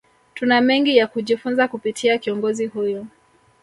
Tuna mengi ya kujifunza kupitia kiongozi huyu